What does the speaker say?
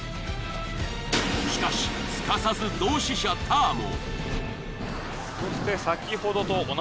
しかしすかさず同志社たぁも。